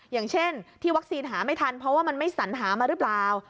อย่างเช่นที่วัคซีนหาไม่ทันเพราะว่ามันไม่สัญหามาหรือเปล่า